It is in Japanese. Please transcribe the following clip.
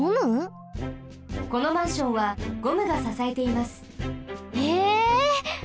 このマンションはゴムがささえています。え？